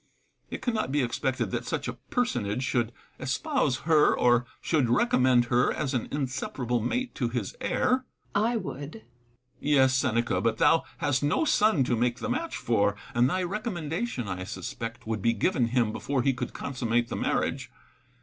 It cannot be expected that such a personage should espouse her, or should recommend her as an inseparable mate to his heir. Seneca. I would. Epictetus. Yes, Seneca, but thou hast no son to make the match for ; and thy recommendation, I suspect, would be given him before he could consummate the marriage.